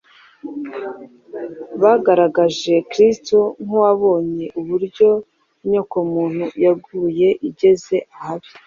Bagaragaje Kristo nk’uwabonye uburyo inyokomuntu yaguye igeze ahabi